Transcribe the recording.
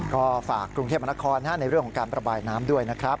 ก็ฝากกรุงเทพมนครในเรื่องของการประบายน้ำด้วยนะครับ